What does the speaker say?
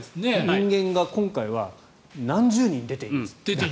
人間は今回は何十人出ていますと。